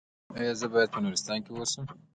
ایا زه باید په نورستان کې اوسم؟